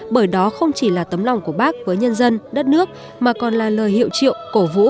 bởi đó không chỉ là tấm lòng của bác với nhân dân đất nước mà còn là lời hiệu triệu cổ vũ